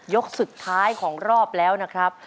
ยกสุดท้ายของรอบแล้วนะครับ